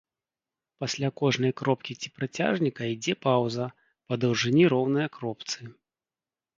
Пасля кожнай кропкі ці працяжніка ідзе паўза, па даўжыні роўная кропцы.